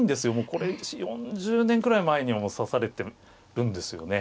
これ４０年くらい前にはもう指されてるんですよね